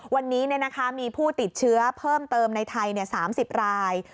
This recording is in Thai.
วันนี้มีผู้ติดเชื้อเพิ่มเติมในไทย๓๐ราย